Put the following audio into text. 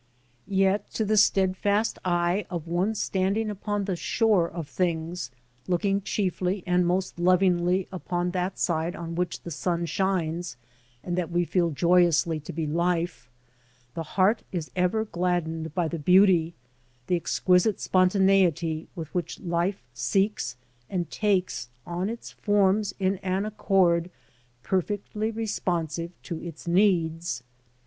Yet to the steadfast eye of one standing upon the shore of things, looking chiefly and most lovingly upon that side on which the sun shines and that we feel joyously to be life, the heart is ever gladdened by the beauty, the exquisite spontaneity, with which life seeks and takes on its forms in an accord perfectly responsive to its needs.